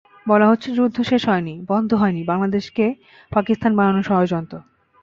বলা হচ্ছে, যুদ্ধ শেষ হয়নি, বন্ধ হয়নি বাংলাদেশকে পাকিস্তান বানানোর ষড়যন্ত্র।